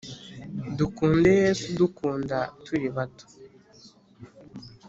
dukunde yesu udukunda turi bato !